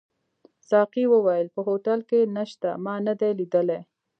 ساقي وویل: په هوټل کي نشته، ما نه دي لیدلي.